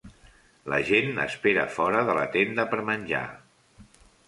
La gent espera fora de la tenda per menjar